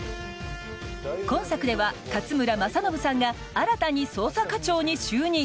今作では勝村政信さんが新たに捜査課長に就任。